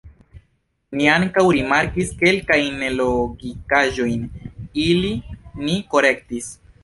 Ni ankaŭ rimarkis kelkajn nelogikaĵojn ilin ni korektis.